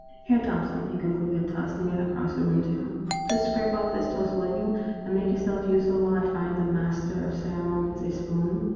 " Here, Thompson," he concluded, tossing it across the room to him, " just scrape off this toast, will you, and make yourself useful while I find the master of ceremonies a spoon